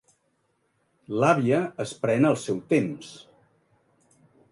L'àvia es pren el seu temps.